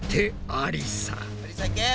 ありさいけ！